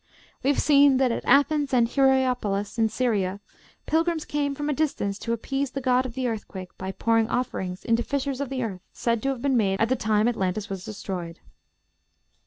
We have seen that at Athens and at Hierapolis, in Syria, pilgrims came from a distance to appease the god of the earthquake, by pouring offerings into fissures of the earth said to have been made at the time Atlantis was destroyed.